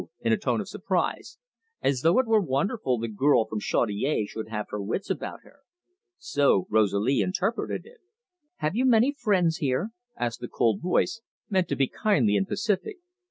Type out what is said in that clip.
in a tone of surprise, as though it were wonderful the girl from Chaudiere should have her wits about her. So Rosalie interpreted it. "Have you many friends here?" asked the cold voice, meant to be kindly and pacific.